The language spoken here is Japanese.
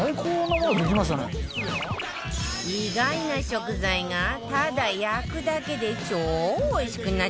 意外な食材がただ焼くだけで超おいしくなっちゃうわよ